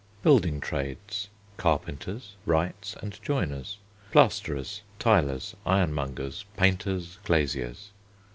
Building Trades: Carpenters, wrights and joiners. Plasterers. Tilers. Ironmongers. Painters. Glaziers.